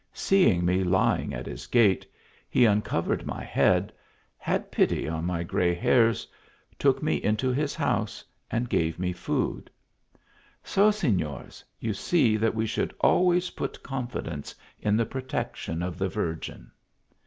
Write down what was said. Seeing me lying at his gate, he un covered my head, had pity on my gray hairs, took rne into his house and gave me food. So, Signers, you see that we should always put confidence in the protection of the "Virgin."